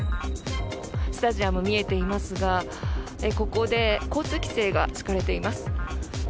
スタジアム見えていますがここで交通規制が敷かれています。